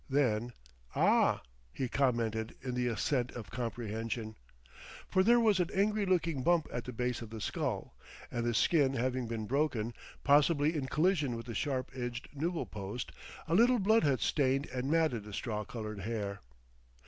Then, "Ah!" he commented in the accent of comprehension. For there was an angry looking bump at the base of the skull; and, the skin having been broken, possibly in collision with the sharp edged newel post, a little blood had stained and matted the straw colored hair.